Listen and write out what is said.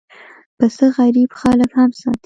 پسه غریب خلک هم ساتي.